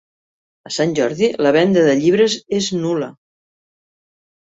A Sant Jordi la venda de llibres és nul·la